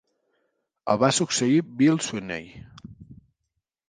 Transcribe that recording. El va succeir Bill Sweeney.